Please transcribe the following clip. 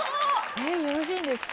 えっよろしいんですか？